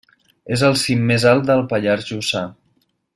És el cim més alt del Pallars Jussà.